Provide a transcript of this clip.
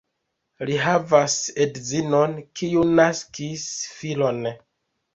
Li havas edzinon, kiu naskis filon.